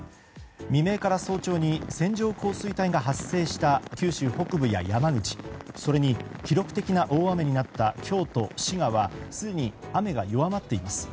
未明から早朝に線状降水帯が発生した九州北部や山口それに記録的な大雨になった京都、滋賀はすでに雨が弱まっています。